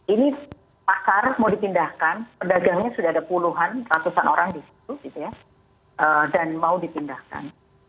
ini pakar mau dipindahkan pedagangnya sudah ada puluhan ratusan orang di situ dan mau dipindahkan